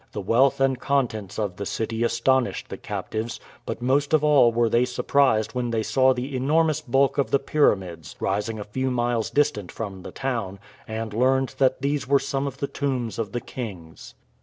The wealth and contents of the city astonished the captives, but most of all were they surprised when they saw the enormous bulk of the pyramids rising a few miles distant from the town, and learned that these were some of the tombs of the kings.